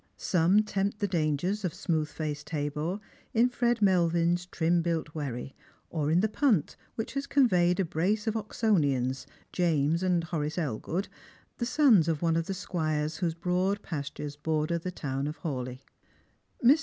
Some tempt the dangers of smooth faced Tabor in Fred Melvin's trim built wherry, or in the punt which has conveyed a brace of Oxonians, James and Horace Elgood, the sons of one of the squires whose broad pastures border the town of Hawleigh. Mr.